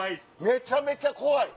めちゃめちゃ怖い。